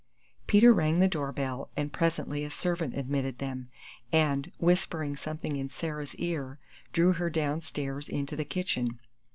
Peter rang the door bell, and presently a servant admitted them, and, whispering something in Sarah's ear, drew her downstairs into the kitchen.